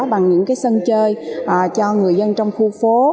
bằng những sân chơi cho người dân trong khu phố